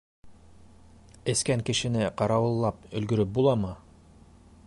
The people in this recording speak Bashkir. Эскән кешене ҡарауыллап өлгөрөп буламы?